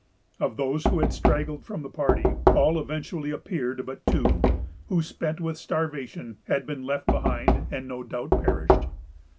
Of those who had straggled from the party, all eventually appeared but two, who, spent with starvation, had been left behind, and no doubt perished.